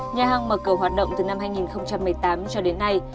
nhà hàng mở cửa hoạt động từ năm hai nghìn một mươi tám cho đến nay